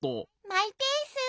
マイペース。